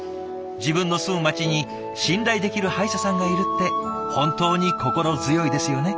自分の住む町に信頼できる歯医者さんがいるって本当に心強いですよね。